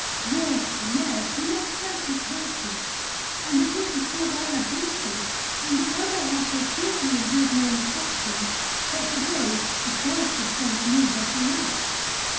_'... Yes yes we must practise Virtue; and it is because I have done so, and because I have so cheerfully endured my misfortunes, that to day the Gods have sent me better luck!"